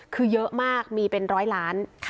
คือเยอะมากมีเป็นร้อยล้าน